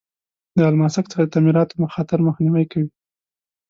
د الماسک څخه د تعمیراتو خطر مخنیوی کیږي.